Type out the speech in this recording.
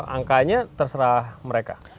angkanya terserah mereka